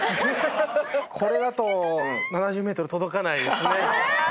これだと７０ｍ届かないですね。